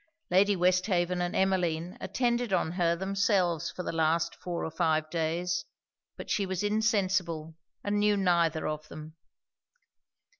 Lady Westhaven and Emmeline attended on her themselves for the last four or five days; but she was insensible; and knew neither of them.